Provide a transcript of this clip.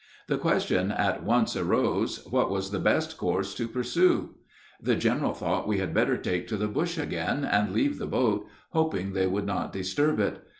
The question at once arose, What was the best course to pursue? The general thought we had better take to the bush again, and leave the boat, hoping they would not disturb it.